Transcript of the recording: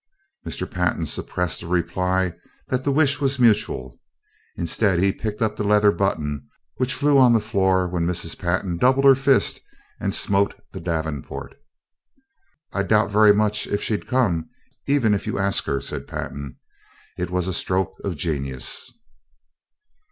Mr. Pantin suppressed the reply that the wish was mutual. Instead, he picked up the leather button which flew on the floor when Mrs. Pantin doubled her fist and smote the davenport. "I doubt very much if she'd come, even if you ask her," said Pantin. It was a stroke of genius.